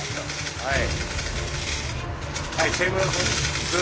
はい。